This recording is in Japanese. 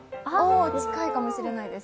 近いかもしれないです。